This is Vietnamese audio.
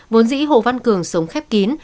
vốn dĩ hồ văn cường sống khép kín